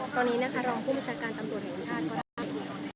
ตอนนี้นะคะรองผู้บัญชาการตำรวจแห่งชาติก็ได้